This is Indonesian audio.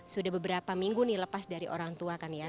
sudah beberapa minggu nih lepas dari orang tua kan ya